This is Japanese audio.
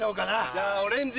じゃあオレンジ。